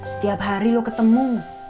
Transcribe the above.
setiap hari lo ketemu